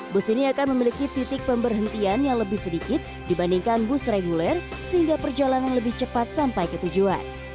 bus ini akan memiliki titik pemberhentian yang lebih sedikit dibandingkan bus reguler sehingga perjalanan lebih cepat sampai ke tujuan